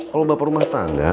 kalau bapak rumah tangga